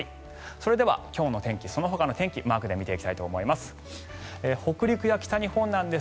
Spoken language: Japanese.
それでは今日の天気そのほかの天気をマークで見ていきたいと思います。